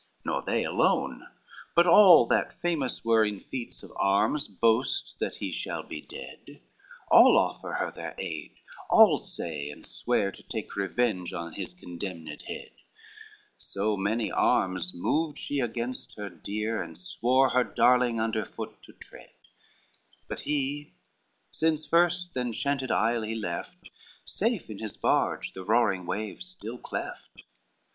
LIII Nor they alone, but all that famous were In feats of arms boast that he shall be dead, All offer her their aid, all say and swear, To take revenge on his condemned head: So many arms moved she against her dear, And swore her darling under foot to tread, But he, since first the enchanted isle he left, Safe in his barge the roaring waves still cleft.